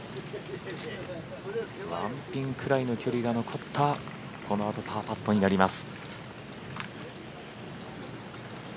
ワンピンぐらいの距離が残ったこのあとパーパットになります。